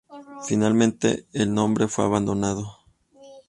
Finalmente, el nombre fue abandonado.